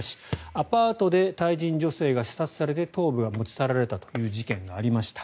アパートでタイ人女性が刺殺されて頭部が持ち去られたという事件がありました。